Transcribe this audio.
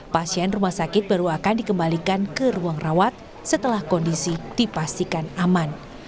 pasien rumah sakit baru akan dikembalikan ke ruang rawat setelah kondisi dipastikan aman